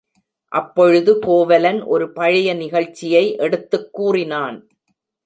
அப்பொழுது கோவலன் ஒரு பழைய நிகழ்ச்சியை எடுத்துக் கூறினான்.